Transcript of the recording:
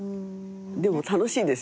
でも楽しいんですよ